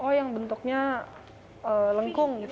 oh yang bentuknya lengkung